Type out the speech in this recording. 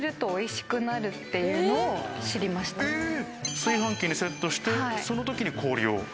炊飯器にセットして、その時に氷を。